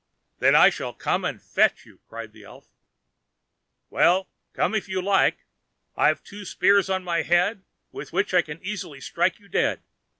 "Then I shall come and fetch you," cried the elf. "Well, come if you like; I've two spears in my head, With which I can easily strike you dead.